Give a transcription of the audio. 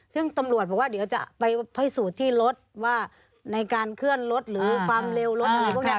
ซึ่งตำรวจบอกว่าเดี๋ยวจะไปพิสูจน์ที่รถว่าในการเคลื่อนรถหรือความเร็วรถอะไรพวกนี้